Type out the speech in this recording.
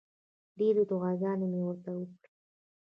ډېرې دعاګانې مې ورته وکړې.